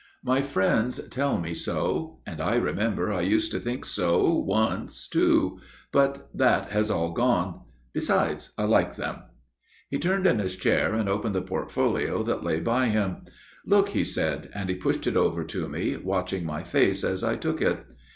* My friends tell me so, and I remember I used to think so once too. But that has all gone. Besides, I like them.' "He turned in his chair and opened the portfolio that lay by him. "' Look,' he said, and pushed it over to me, watching my face as I took it.